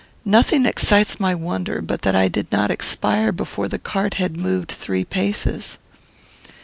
Nothing excites my wonder but that I did not expire before the cart had moved three paces.